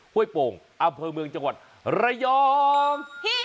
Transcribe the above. ้วยโป่งอำเภอเมืองจังหวัดระยอง